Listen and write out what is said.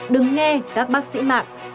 đừng nghe các bác sĩ mạng